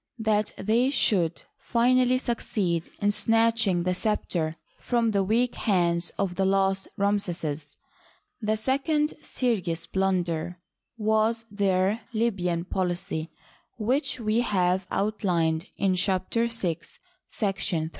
that they should finally succeed in snatching the scepter from the weak hands of the last Ramses. The second serious blunder was their Libyan policy, which we have outlined in Chapter VI, § 3.